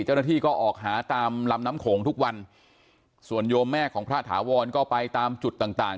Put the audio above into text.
เจ้าหน้าที่ก็ออกหาตามลำน้ำโขงทุกวันส่วนโยมแม่ของพระถาวรก็ไปตามจุดต่างต่าง